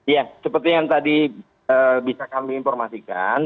ya seperti yang tadi bisa kami informasikan